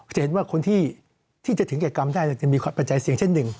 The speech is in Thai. จะเห็นว่าคนที่จะถึงแก่กรรมได้จะมีปัจจัยเสี่ยงเช่นหนึ่ง